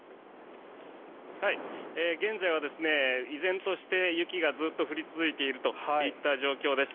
現在は、依然として雪がずっと降り続いているといった状況です。